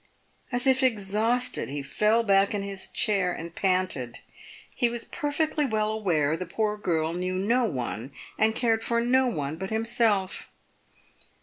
As if exhausted, he fell back in his chair and panted. He was perfectly well aware the poor girl knew no one, and cared for no one, but himself.